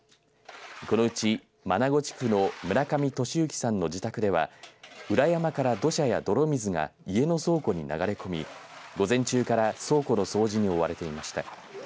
このうち麻那古地区の村上敏之さんの自宅では裏山から土砂や泥水が家の倉庫に流れ込み午前中から倉庫の掃除に追われていました。